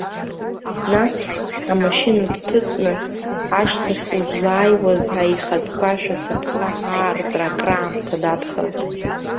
Нас, амашьына дҭыҵны, ашҭахь узлааиуаз аихатә гәашә ацаԥха аартра акраамҭа дадхалт.